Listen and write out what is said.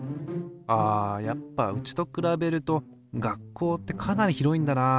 あやっぱうちと比べると学校ってかなり広いんだな。